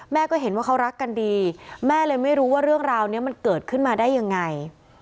ก็เห็นว่าเขารักกันดีแม่เลยไม่รู้ว่าเรื่องราวนี้มันเกิดขึ้นมาได้ยังไง